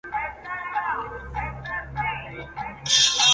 La familia ignora totalmente lo que se oculta tras las muñecas.